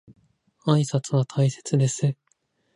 挨拶は大切です。